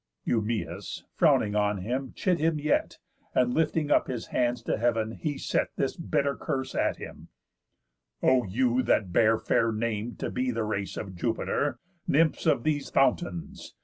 Eumæus, frowning on him, chid him yet, And, lifting up his hands to heav'n, he set This bitter curse at him: "O you that bear Fair name to be the race of Jupiter, Nymphs of these fountains!